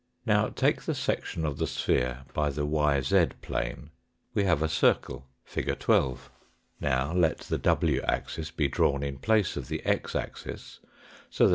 Now, take the section of the sphere by the yz plane we have a circle fig. 12. Now, let the w axis be drawn in place of the x axis so that Fig. ll (139).